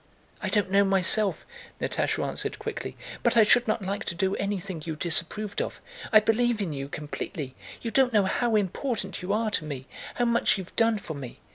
"I don't know myself," Natásha answered quickly, "but I should not like to do anything you disapproved of. I believe in you completely. You don't know how important you are to me, how much you've done for me...."